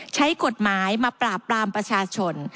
ใช้กฎหมายมาปราบปรามประชาชน